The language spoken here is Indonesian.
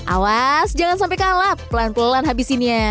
awas jangan sampai kalap pelan pelan habisinnya